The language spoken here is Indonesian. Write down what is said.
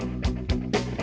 nah ini juga